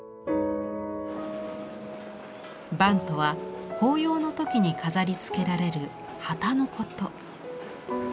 幡とは法要の時に飾りつけられる旗のこと。